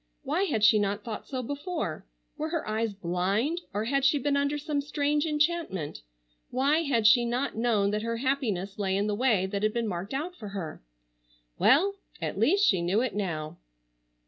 Why had she not thought so before? Were her eyes blind, or had she been under some strange enchantment? Why had she not known that her happiness lay in the way that had been marked out for her? Well, at least she knew it now.